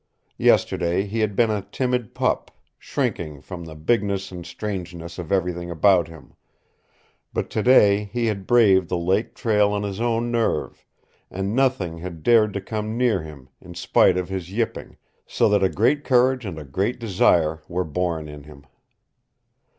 Yesterday he had been a timid pup, shrinking from the bigness and strangeness of everything about him; but today he had braved the lake trail on his own nerve, and nothing had dared to come near him in spite of his yipping, so that a great courage and a great desire were born in him.